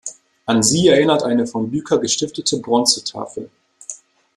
An sie erinnert eine von Düker gestiftete Bronzetafel.